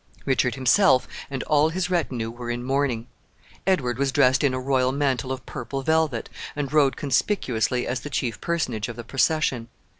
Richard himself and all his retinue were in mourning. Edward was dressed in a royal mantle of purple velvet, and rode conspicuously as the chief personage of the procession.